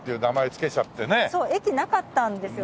そう駅なかったんですよ。